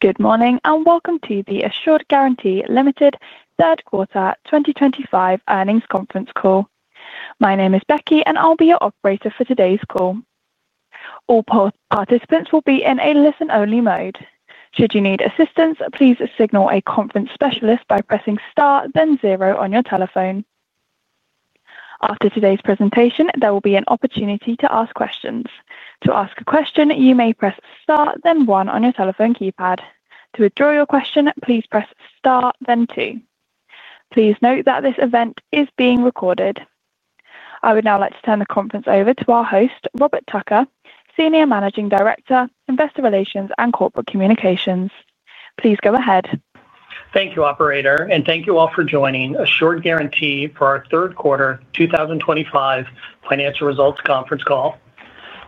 Good morning and welcome to the Assured Guaranty Limited third quarter 2025 earnings conference call. My name is Becky, and I'll be your operator for today's call. All participants will be in a listen-only mode. Should you need assistance, please signal a conference specialist by pressing star, then zero on your telephone. After today's presentation, there will be an opportunity to ask questions. To ask a question, you may press star, then one on your telephone keypad. To withdraw your question, please press star, then two. Please note that this event is being recorded. I would now like to turn the conference over to our host, Robert Tucker, Senior Managing Director, Investor Relations and Corporate Communications. Please go ahead. Thank you, Operator, and thank you all for joining Assured Guaranty for our third quarter 2025 financial results conference call.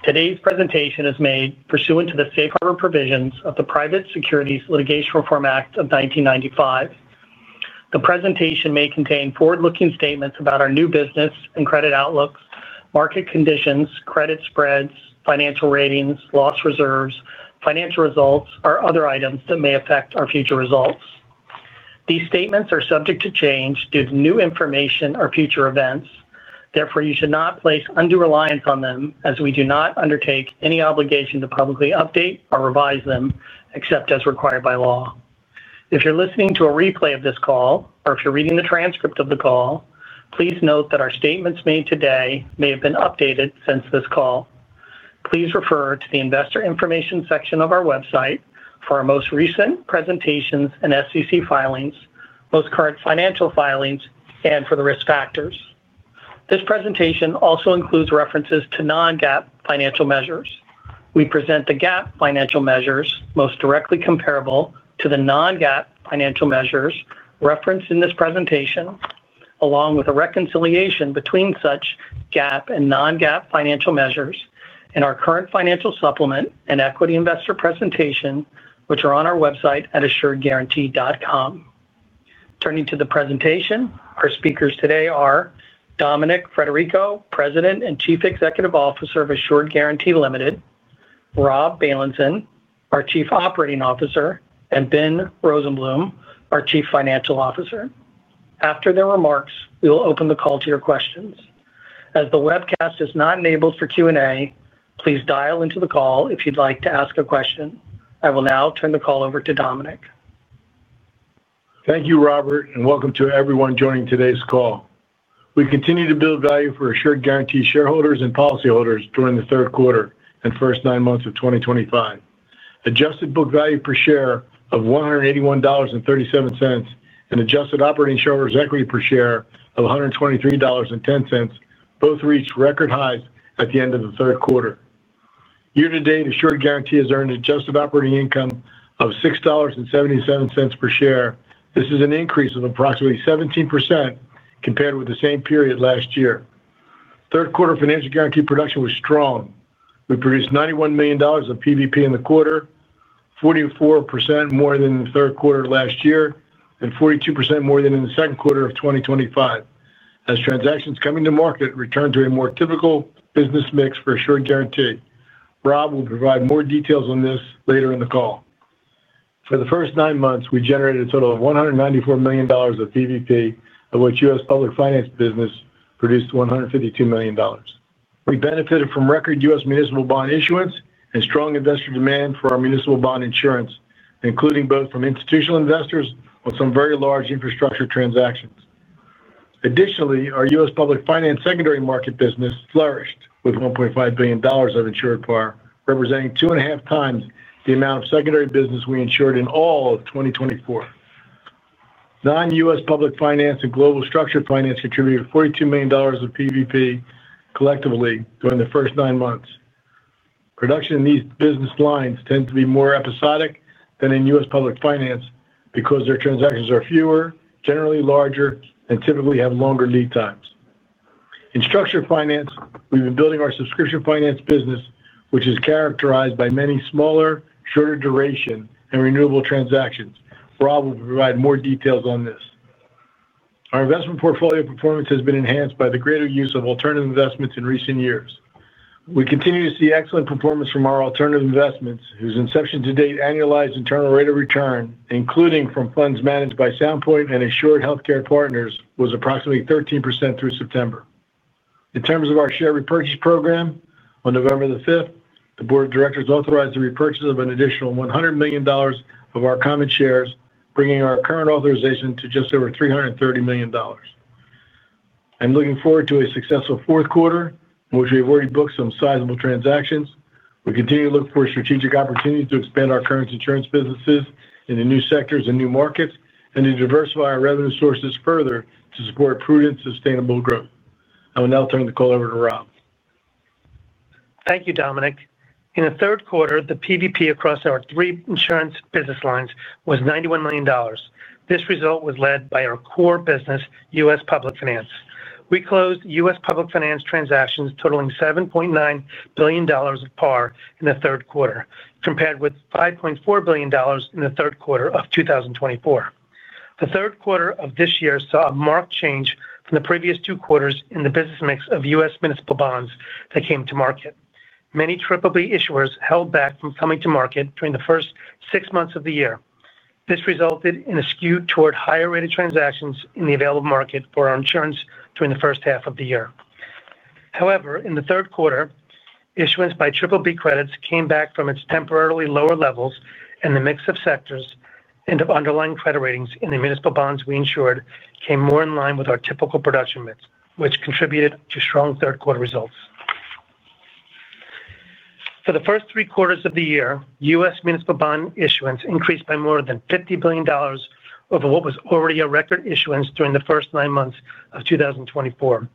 Today's presentation is made pursuant to the safe harbor provisions of the Private Securities Litigation Reform Act of 1995. The presentation may contain forward-looking statements about our new business and credit outlook, market conditions, credit spreads, financial ratings, loss reserves, financial results, or other items that may affect our future results. These statements are subject to change due to new information or future events. Therefore, you should not place undue reliance on them, as we do not undertake any obligation to publicly update or revise them except as required by law. If you're listening to a replay of this call, or if you're reading the transcript of the call, please note that our statements made today may have been updated since this call. Please refer to the investor information section of our website for our most recent presentations and SEC filings, most current financial filings, and for the risk factors. This presentation also includes references to non-GAAP financial measures. We present the GAAP financial measures most directly comparable to the non-GAAP financial measures referenced in this presentation, along with a reconciliation between such GAAP and non-GAAP financial measures in our current financial supplement and equity investor presentation, which are on our website at assuredguaranty.com. Turning to the presentation, our speakers today are Dominic Frederico, President and Chief Executive Officer of Assured Guaranty Limited, Rob Bailenson, our Chief Operating Officer, and Ben Rosenblum, our Chief Financial Officer. After their remarks, we will open the call to your questions. As the webcast is not enabled for Q&A, please dial into the call if you'd like to ask a question. I will now turn the call over to Dominic. Thank you, Robert, and welcome to everyone joining today's call. We continue to build value for Assured Guaranty shareholders and policyholders during the third quarter and first nine months of 2025. Adjusted book value per share of $181.37 and adjusted operating shareholders' equity per share of $123.10 both reached record highs at the end of the third quarter. Year-to-date, Assured Guaranty has earned adjusted operating income of $6.77 per share. This is an increase of approximately 17% compared with the same period last year. Third quarter financial guarantee production was strong. We produced $91 million of PVP in the quarter, 44% more than the third quarter last year and 42% more than in the second quarter of 2025, as transactions coming to market returned to a more typical business mix for Assured Guaranty. Rob will provide more details on this later in the call. For the first nine months, we generated a total of $194 million of PVP, of which U.S. public finance business produced $152 million. We benefited from record U.S. municipal bond issuance and strong investor demand for our municipal bond insurance, including both from institutional investors on some very large infrastructure transactions. Additionally, our U.S. public finance secondary market business flourished with $1.5 billion of insured par, representing two and a half times the amount of secondary business we insured in all of 2024. Non-U.S. public finance and global structured finance contributed $42 million of PVP collectively during the first nine months. Production in these business lines tends to be more episodic than in U.S. public finance because their transactions are fewer, generally larger, and typically have longer lead times. In structured finance, we've been building our subscription finance business, which is characterized by many smaller, shorter duration and renewable transactions. Rob will provide more details on this. Our investment portfolio performance has been enhanced by the greater use of alternative investments in recent years. We continue to see excellent performance from our alternative investments, whose inception-to-date annualized internal rate of return, including from funds managed by Sound Point and Assured Healthcare Partners, was approximately 13% through September. In terms of our share repurchase program, on November the 5th, the Board of Directors authorized the repurchase of an additional $100 million of our common shares, bringing our current authorization to just over $330 million. I'm looking forward to a successful fourth quarter, in which we have already booked some sizable transactions. We continue to look for strategic opportunities to expand our current insurance businesses into new sectors and new markets and to diversify our revenue sources further to support prudent, sustainable growth. I will now turn the call over to Rob. Thank you, Dominic. In the third quarter, the PVP across our three insurance business lines was $91 million. This result was led by our core business, U.S. public finance. We closed U.S. public finance transactions totaling $7.9 billion of par in the third quarter, compared with $5.4 billion in the third quarter of 2024. The third quarter of this year saw a marked change from the previous two quarters in the business mix of U.S. municipal bonds that came to market. Many triple-B issuers held back from coming to market during the first six months of the year. This resulted in a skew toward higher rated transactions in the available market for our insurance during the first half of the year. However, in the third quarter, issuance by triple-B credits came back from its temporarily lower levels in the mix of sectors and of underlying credit ratings in the municipal bonds we insured came more in line with our typical production mix, which contributed to strong third quarter results. For the first three quarters of the year, U.S. municipal bond issuance increased by more than $50 billion over what was already a record issuance during the first nine months of 2024,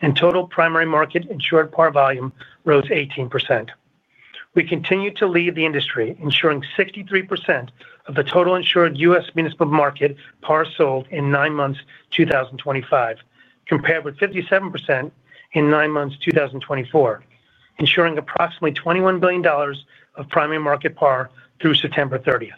and total primary market insured par volume rose 18%. We continue to lead the industry, insuring 63% of the total insured U.S. municipal market par sold in nine months 2025, compared with 57% in nine months 2024, insuring approximately $21 billion of primary market par through September 30th.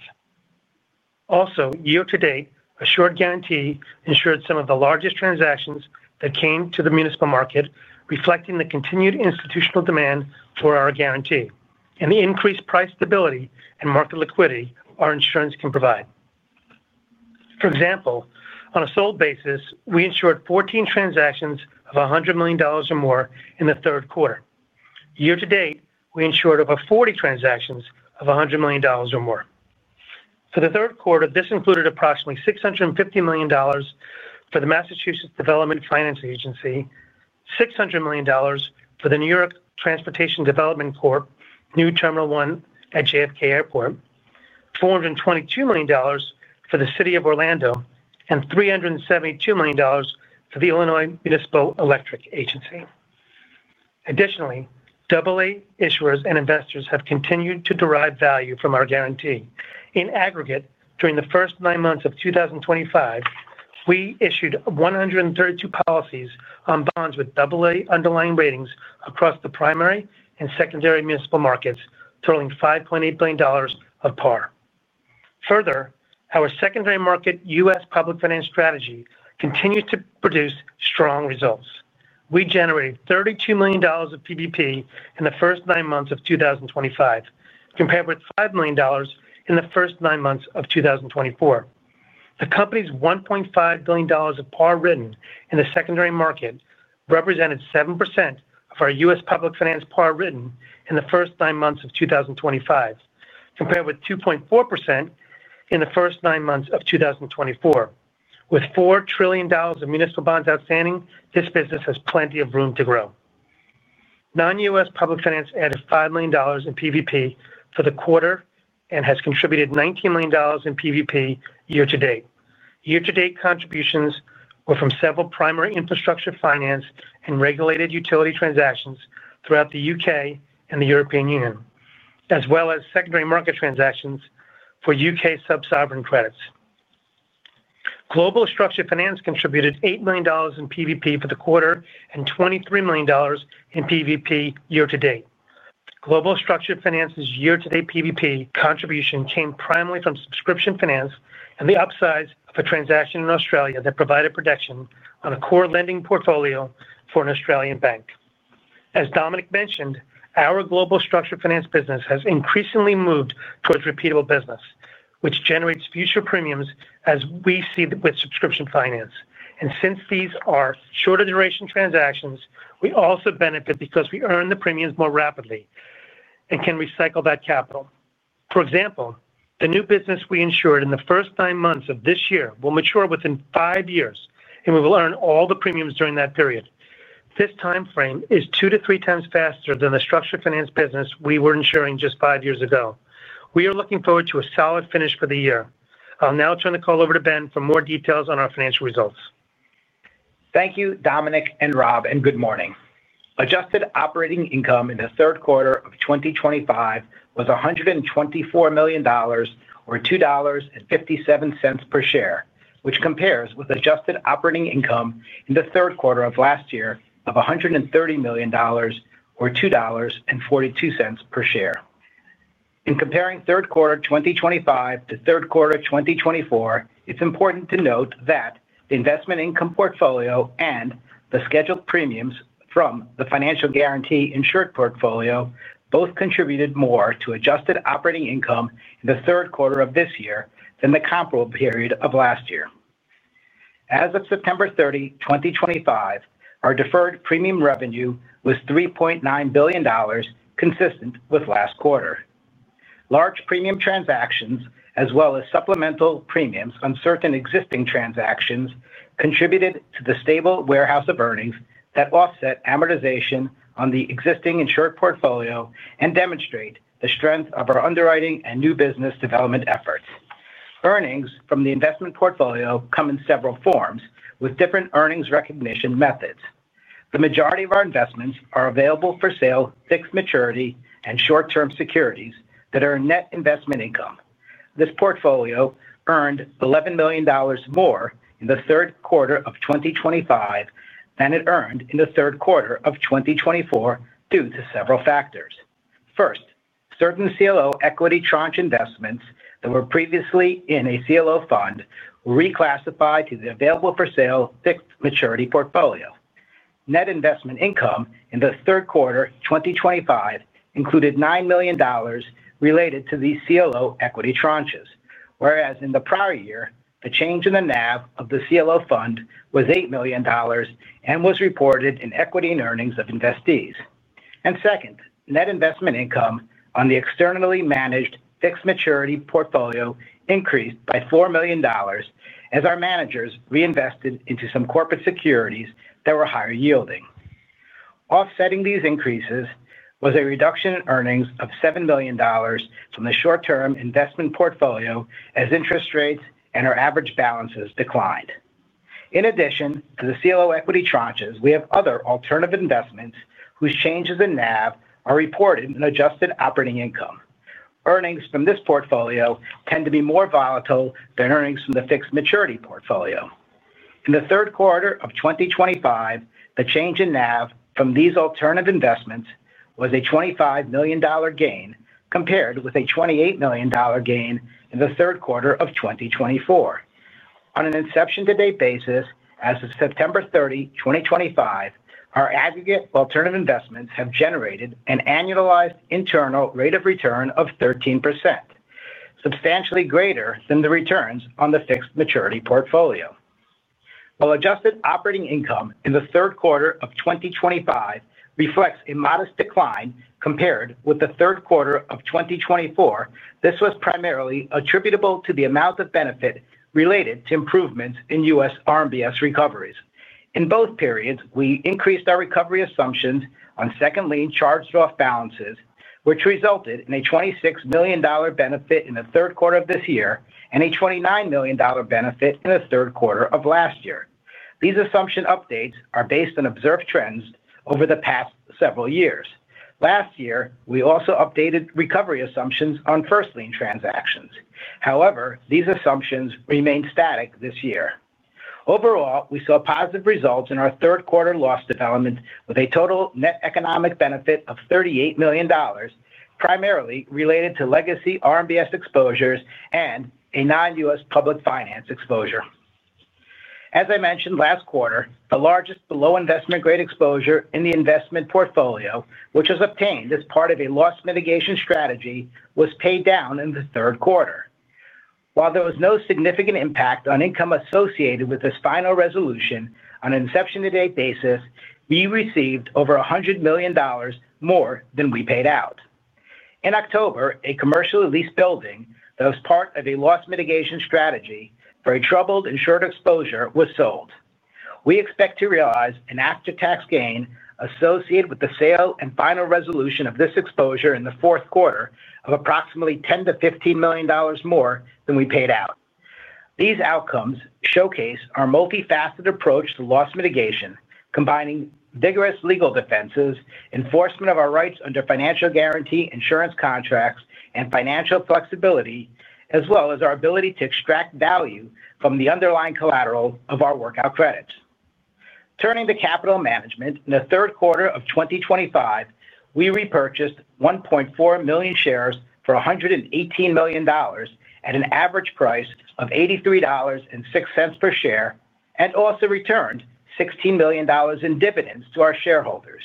Also, year-to-date, Assured Guaranty insured some of the largest transactions that came to the municipal market, reflecting the continued institutional demand for our guarantee and the increased price stability and market liquidity our insurance can provide. For example, on a sold basis, we insured 14 transactions of $100 million or more in the third quarter. Year-to-date, we insured over 40 transactions of $100 million or more. For the third quarter, this included approximately $650 million for the Massachusetts Development Finance Agency, $600 million for the New York Transportation Development Corp, new Terminal 1 at JFK Airport, $422 million for the City of Orlando, and $372 million for the Illinois Municipal Electric Agency. Additionally, AA issuers and investors have continued to derive value from our guarantee. In aggregate, during the first nine months of 2025, we issued 132 policies on bonds with AA underlying ratings across the primary and secondary municipal markets, totaling $5.8 billion of par. Further, our secondary market U.S. public finance strategy continues to produce strong results. We generated $32 million of PVP in the first nine months of 2025, compared with $5 million in the first nine months of 2024. The company's $1.5 billion of par written in the secondary market represented 7% of our U.S. public finance par written in the first nine months of 2025, compared with 2.4% in the first nine months of 2024. With $4 trillion of municipal bonds outstanding, this business has plenty of room to grow. Non-U.S. public finance added $5 million in PVP for the quarter and has contributed $19 million in PVP year-to-date. Year-to-date contributions were from several primary infrastructure finance and regulated utility transactions throughout the U.K. and the European Union, as well as secondary market transactions for U.K. sub-sovereign credits. Global structured finance contributed $8 million in PVP for the quarter and $23 million in PVP year-to-date. Global structured finance's year-to-date PVP contribution came primarily from subscription finance and the upsize of a transaction in Australia that provided production on a core lending portfolio for an Australian bank. As Dominic mentioned, our global structured finance business has increasingly moved towards repeatable business, which generates future premiums as we see with subscription finance. Since these are shorter duration transactions, we also benefit because we earn the premiums more rapidly and can recycle that capital. For example, the new business we insured in the first nine months of this year will mature within five years, and we will earn all the premiums during that period. This timeframe is two to three times faster than the structured finance business we were insuring just five years ago. We are looking forward to a solid finish for the year. I'll now turn the call over to Ben for more details on our financial results. Thank you, Dominic and Rob, and good morning. Adjusted operating income in the third quarter of 2025 was $124 million or $2.57 per share, which compares with adjusted operating income in the third quarter of last year of $130 million or $2.42 per share. In comparing third quarter 2025 to third quarter 2024, it's important to note that the investment income portfolio and the scheduled premiums from the financial guarantee insured portfolio both contributed more to adjusted operating income in the third quarter of this year than the comparable period of last year. As of September 30, 2025, our deferred premium revenue was $3.9 billion, consistent with last quarter. Large premium transactions, as well as supplemental premiums on certain existing transactions, contributed to the stable warehouse of earnings that offset amortization on the existing insured portfolio and demonstrate the strength of our underwriting and new business development efforts. Earnings from the investment portfolio come in several forms with different earnings recognition methods. The majority of our investments are available for sale, fixed maturity, and short-term securities that are net investment income. This portfolio earned $11 million more in the third quarter of 2025 than it earned in the third quarter of 2024 due to several factors. First, certain CLO equity tranche investments that were previously in a CLO fund were reclassified to the available for sale, fixed maturity portfolio. Net investment income in the third quarter 2025 included $9 million related to these CLO equity tranches, whereas in the prior year, the change in the NAV of the CLO fund was $8 million and was reported in equity and earnings of investees. Net investment income on the externally managed fixed maturity portfolio increased by $4 million as our managers reinvested into some corporate securities that were higher yielding. Offsetting these increases was a reduction in earnings of $7 million from the short-term investment portfolio as interest rates and our average balances declined. In addition to the CLO equity tranches, we have other alternative investments whose changes in NAV are reported in adjusted operating income. Earnings from this portfolio tend to be more volatile than earnings from the fixed maturity portfolio. In the third quarter of 2025, the change in NAV from these alternative investments was a $25 million gain compared with a $28 million gain in the third quarter of 2024. On an inception-to-date basis, as of September 30, 2025, our aggregate alternative investments have generated an annualized internal rate of return of 13%, substantially greater than the returns on the fixed maturity portfolio. While adjusted operating income in the third quarter of 2025 reflects a modest decline compared with the third quarter of 2024, this was primarily attributable to the amount of benefit related to improvements in U.S. RMBS recoveries. In both periods, we increased our recovery assumptions on second-line charged-off balances, which resulted in a $26 million benefit in the third quarter of this year and a $29 million benefit in the third quarter of last year. These assumption updates are based on observed trends over the past several years. Last year, we also updated recovery assumptions on first-line transactions. However, these assumptions remained static this year. Overall, we saw positive results in our third quarter loss development with a total net economic benefit of $38 million, primarily related to legacy RMBS exposures and a non-U.S. public finance exposure. As I mentioned last quarter, the largest below investment grade exposure in the investment portfolio, which was obtained as part of a loss mitigation strategy, was paid down in the third quarter. While there was no significant impact on income associated with this final resolution, on an inception-to-date basis, we received over $100 million more than we paid out. In October, a commercially leased building that was part of a loss mitigation strategy for a troubled insured exposure was sold. We expect to realize an after-tax gain associated with the sale and final resolution of this exposure in the fourth quarter of approximately $10 million-$15 million more than we paid out. These outcomes showcase our multifaceted approach to loss mitigation, combining vigorous legal defenses, enforcement of our rights under financial guarantee insurance contracts, and financial flexibility, as well as our ability to extract value from the underlying collateral of our workout credits. Turning to capital management, in the third quarter of 2025, we repurchased 1.4 million shares for $118 million at an average price of $83.06 per share and also returned $16 million in dividends to our shareholders.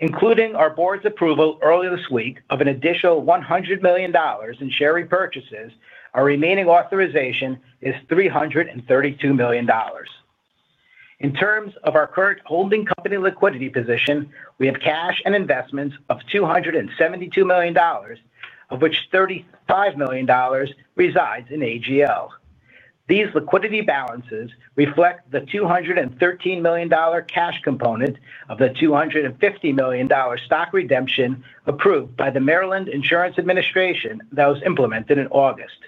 Including our board's approval earlier this week of an additional $100 million in share repurchases, our remaining authorization is $332 million. In terms of our current holding company liquidity position, we have cash and investments of $272 million, of which $35 million resides in AGL. These liquidity balances reflect the $213 million cash component of the $250 million stock redemption approved by the Maryland Insurance Administration that was implemented in August.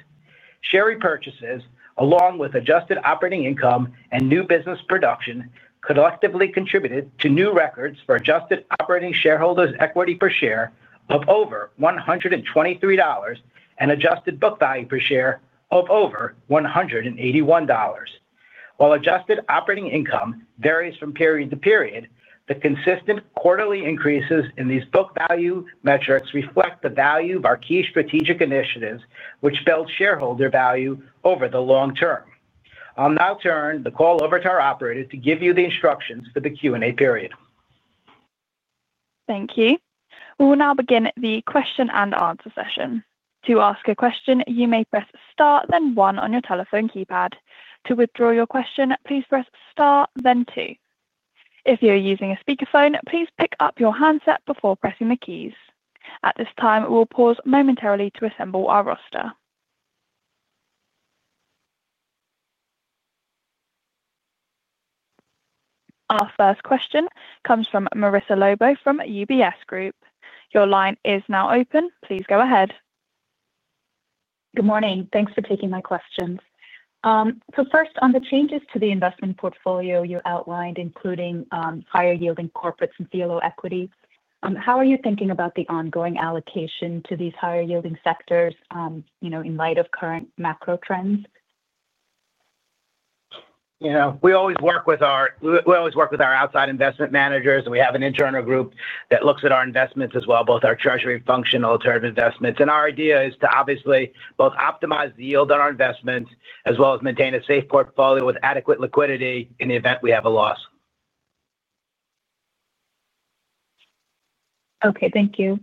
Share repurchases, along with adjusted operating income and new business production, collectively contributed to new records for adjusted operating shareholders' equity per share of over $123 and adjusted book value per share of over $181. While adjusted operating income varies from period to period, the consistent quarterly increases in these book value metrics reflect the value of our key strategic initiatives, which build shareholder value over the long term. I'll now turn the call over to our operator to give you the instructions for the Q&A period. Thank you. We will now begin the question and answer session. To ask a question, you may press star, then one on your telephone keypad. To withdraw your question, please press star, then two. If you're using a speakerphone, please pick up your handset before pressing the keys. At this time, we'll pause momentarily to assemble our roster. Our first question comes from Marissa Lobo from UBS Group. Your line is now open. Please go ahead. Good morning. Thanks for taking my questions. First, on the changes to the investment portfolio you outlined, including higher-yielding corporates and CLO equity, how are you thinking about the ongoing allocation to these higher-yielding sectors in light of current macro trends? Yeah. We always work with our outside investment managers, and we have an internal group that looks at our investments as well, both our treasury function and alternative investments. And our idea is to obviously both optimize the yield on our investments as well as maintain a safe portfolio with adequate liquidity in the event we have a loss. Okay. Thank you.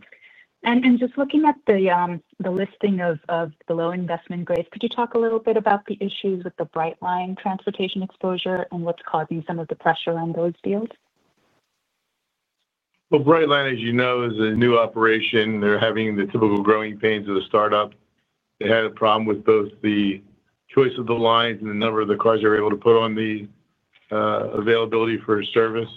Just looking at the listing of below investment grades, could you talk a little bit about the issues with the Brightline transportation exposure and what's causing some of the pressure on those deals? Brightline, as you know, is a new operation. They're having the typical growing pains of a startup. They had a problem with both the choice of the lines and the number of the cars they were able to put on the availability for service.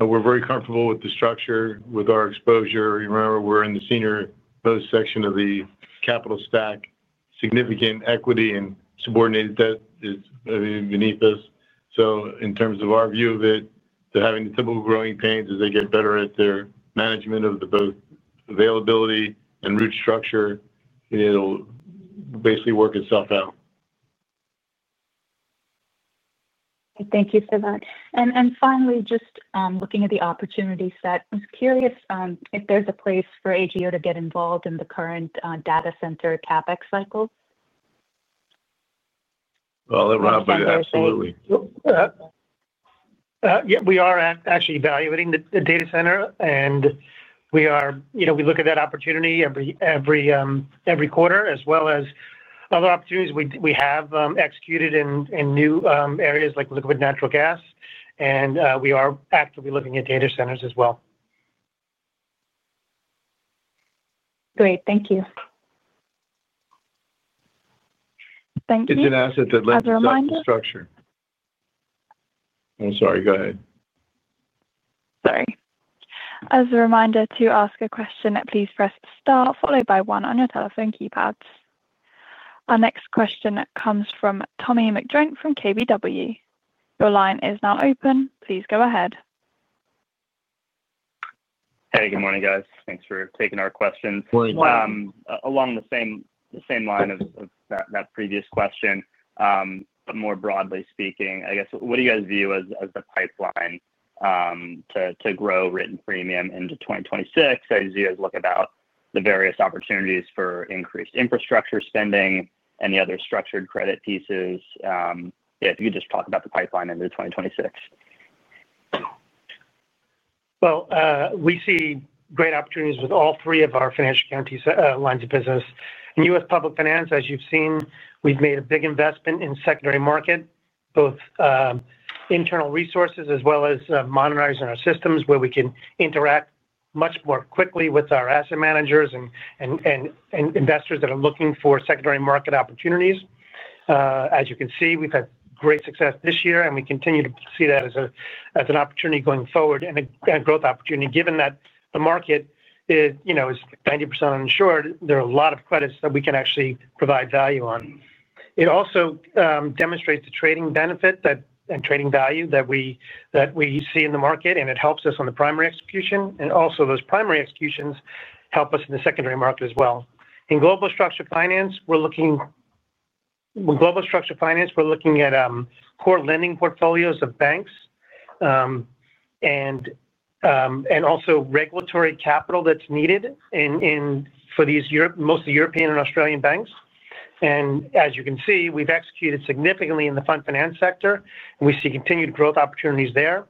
We're very comfortable with the structure, with our exposure. Remember, we're in the senior most section of the capital stack. Significant equity and subordinated debt is beneath us. In terms of our view of it, they're having the typical growing pains as they get better at their management of both availability and route structure. It'll basically work itself out. Thank you for that. Finally, just looking at the opportunity set, I was curious if there's a place for AGO to get involved in the current data center CapEx cycle. That would help you absolutely. Yeah, we are actually evaluating the data center, and we look at that opportunity every quarter, as well as other opportunities. We have executed in new areas like liquid natural gas. We are actively looking at data centers as well. Great. Thank you. Thank you. Just an asset to let you know the structure. I'm sorry. Go ahead. Sorry. As a reminder to ask a question, please press star, followed by one on your telephone keypads. Our next question comes from Tommy McJoynt from KBW. Your line is now open. Please go ahead. Hey, good morning, guys. Thanks for taking our questions. Along the same line of that previous question, but more broadly speaking, I guess, what do you guys view as the pipeline to grow written premium into 2026? How do you guys look about the various opportunities for increased infrastructure spending and the other structured credit pieces? If you could just talk about the pipeline into 2026. We see great opportunities with all three of our financial guarantee lines of business. In U.S. public finance, as you've seen, we've made a big investment in secondary market, both internal resources as well as monetizing our systems where we can interact much more quickly with our asset managers and investors that are looking for secondary market opportunities. As you can see, we've had great success this year, and we continue to see that as an opportunity going forward and a growth opportunity given that the market is 90% uninsured. There are a lot of credits that we can actually provide value on. It also demonstrates the trading benefit and trading value that we see in the market, and it helps us on the primary execution. Those primary executions help us in the secondary market as well. In global structured finance, we're looking at core lending portfolios of banks and also regulatory capital that's needed for most of the European Union and Australian banks. As you can see, we've executed significantly in the fund finance sector. We see continued growth opportunities there.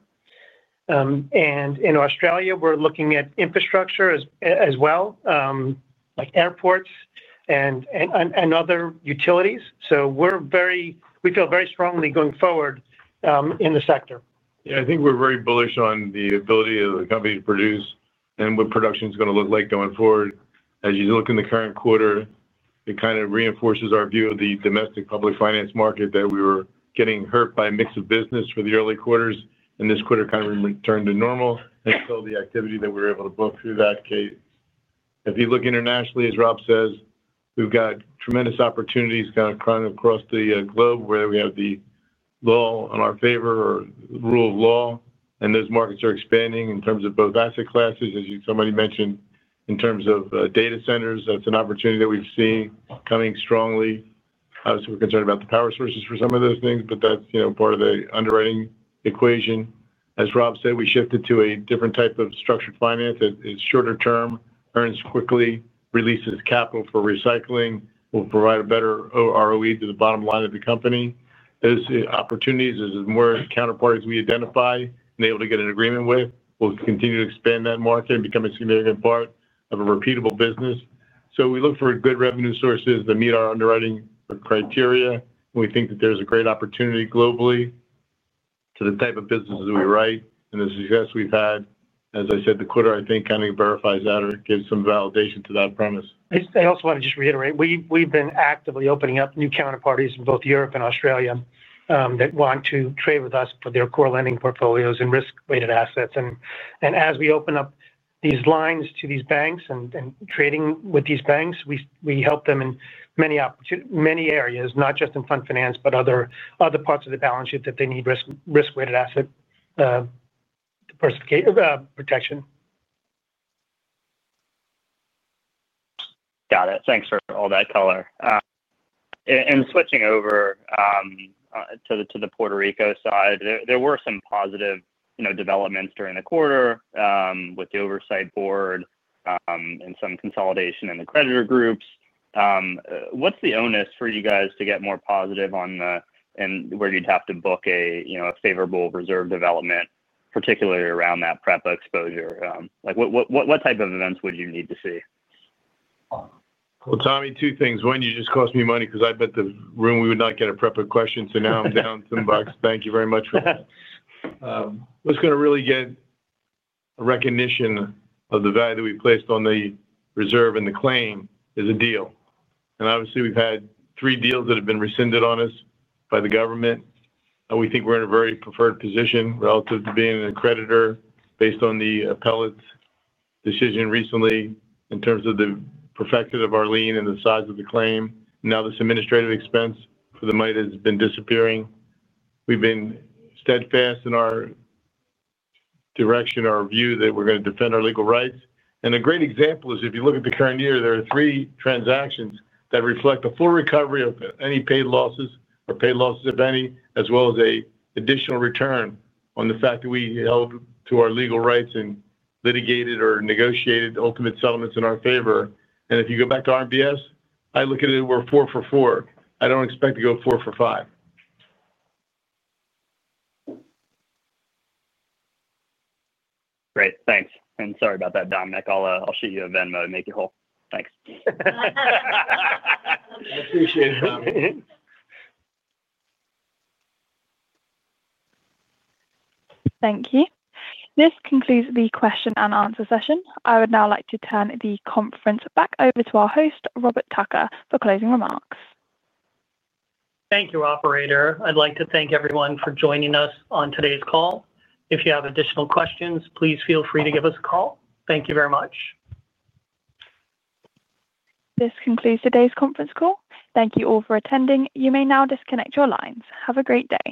In Australia, we're looking at infrastructure as well, like airports and other utilities. We feel very strongly going forward in the sector. Yeah, I think we're very bullish on the ability of the company to produce and what production is going to look like going forward. As you look in the current quarter, it kind of reinforces our view of the domestic public finance market that we were getting hurt by a mix of business for the early quarters, and this quarter kind of returned to normal and showed the activity that we were able to book through that case. If you look internationally, as Rob says, we've got tremendous opportunities kind of across the globe where we have the law in our favor or the rule of law, and those markets are expanding in terms of both asset classes, as you, somebody mentioned, in terms of data centers. That's an opportunity that we've seen coming strongly. Obviously, we're concerned about the power sources for some of those things, but that's part of the underwriting equation. As Rob said, we shifted to a different type of structured finance that is shorter term, earns quickly, releases capital for recycling, will provide a better ROE to the bottom line of the company. Those opportunities are more counterparties we identify and are able to get an agreement with. We'll continue to expand that market and become a significant part of a repeatable business. We look for good revenue sources that meet our underwriting criteria, and we think that there's a great opportunity globally to the type of businesses we write and the success we've had. As I said, the quarter, I think, kind of verifies that or gives some validation to that premise. I also want to just reiterate, we've been actively opening up new counterparties in both Europe and Australia that want to trade with us for their core lending portfolios and risk-weighted assets. As we open up these lines to these banks and trading with these banks, we help them in many areas, not just in fund finance, but other parts of the balance sheet that they need risk-weighted asset protection. Got it. Thanks for all that, Tyler. Switching over to the Puerto Rico side, there were some positive developments during the quarter with the oversight board and some consolidation in the creditor groups. What's the onus for you guys to get more positive on where you'd have to book a favorable reserve development, particularly around that PREPA exposure? What type of events would you need to see? Tommy, two things. One, you just cost me money because I bet the room we would not get a PREPA question, so now I'm down some bucks. Thank you very much for that. What's going to really get recognition of the value that we placed on the reserve and the claim is a deal. Obviously, we've had three deals that have been rescinded on us by the government. We think we're in a very preferred position relative to being a creditor based on the appellate decision recently in terms of the perfection of our lien and the size of the claim. Now, this administrative expense for the might has been disappearing. We've been steadfast in our direction, our view that we're going to defend our legal rights. A great example is if you look at the current year, there are three transactions that reflect the full recovery of any paid losses or paid losses of any, as well as an additional return on the fact that we held to our legal rights and litigated or negotiated ultimate settlements in our favor. If you go back to RMBS, I look at it, we're four for four. I don't expect to go four for five. Great. Thanks. Sorry about that, Dominic. I'll shoot you a Venmo and make you whole. Thanks. I appreciate it. Thank you. This concludes the question and answer session. I would now like to turn the conference back over to our host, Robert Tucker, for closing remarks. Thank you, operator. I'd like to thank everyone for joining us on today's call. If you have additional questions, please feel free to give us a call. Thank you very much. This concludes today's conference call. Thank you all for attending. You may now disconnect your lines. Have a great day.